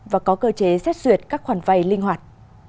và có cơ chế xét duyệt các khoản vay linh hoạt